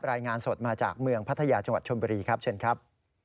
รายงานสดมาจากเมืองพัทยาจังหวัดชนบุรีครับเชิญครับ